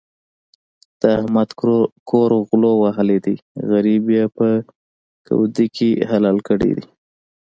د احمد کور غلو وهلی دی؛ غريب يې په کودي کې حلال کړی دی.